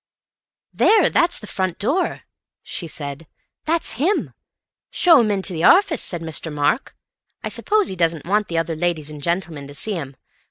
"There, that's the front door," she said. "That's him. 'Show him into the office,' said Mr. Mark. I suppose he doesn't want the other ladies and gentlemen to see him.